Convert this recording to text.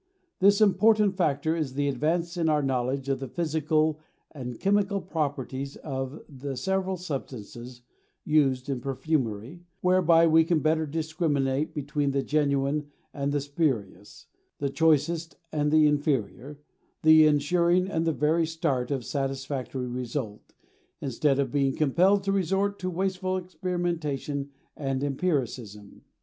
This important factor is the advance in our knowledge of the physical and chemical properties of the several substances used in perfumery, whereby we can better discriminate between the genuine and the spurious, the choicest and the inferior, thus insuring, at the very start, a satisfactory result, instead of being compelled to resort to wasteful experimentation and empiricism.